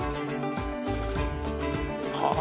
はあ！